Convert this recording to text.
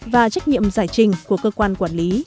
và trách nhiệm giải trình của cơ quan quản lý